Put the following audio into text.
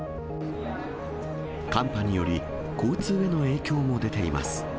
寒波により、交通への影響も出ています。